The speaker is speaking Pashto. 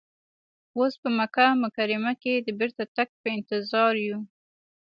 اوس په مکه مکرمه کې د بیرته تګ په انتظار یو.